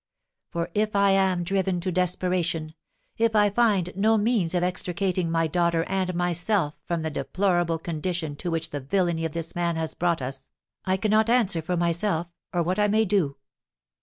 For if I am driven to desperation, if I find no means of extricating my daughter and myself from the deplorable condition to which the villainy of this man has brought us, I cannot answer for myself, or what I may do.